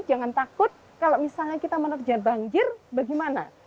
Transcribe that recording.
jangan takut kalau misalnya kita menerjan banjir bagaimana